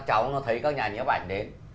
trong một chiến đi